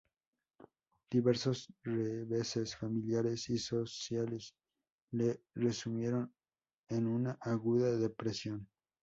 Diversos reveses familiares y sociales le sumieron en una aguda depresión.